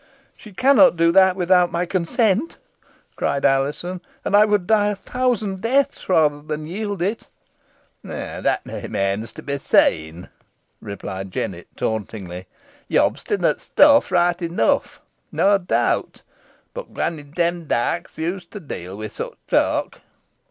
"She cannot do that without my consent," cried Alizon, "and I would die a thousand deaths rather than yield it." "That remains to be seen," replied Jennet, tauntingly. "Yo 're obstinate enuff, nah doubt. Boh Granny Demdike is used to deal wi' sich folk."